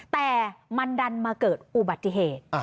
แต่มันดันมาเกิดอุบัติเหตุ